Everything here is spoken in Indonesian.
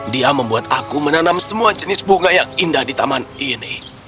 dia membuat aku menanam semua jenis bunga yang indah di taman ini